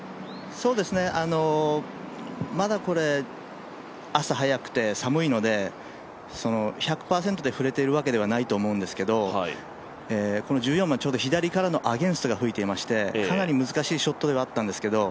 まだこれ、朝早くて寒いので、１００％で振れているわけではないと思うんですけど１４番、ちょうど左からのアゲンストが吹いていまして、かなり難しいショットではあったんですけど